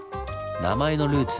名前のルーツ